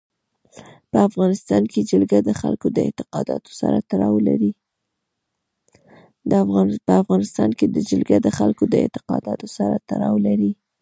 په افغانستان کې جلګه د خلکو د اعتقاداتو سره تړاو لري.